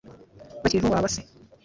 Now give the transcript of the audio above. bakiriho wa ba se.